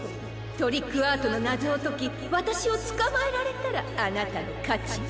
トリックアートのなぞをときわたしをつかまえられたらあなたのかち。